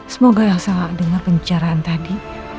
semoga elsa gak dengar pembicaraan tadi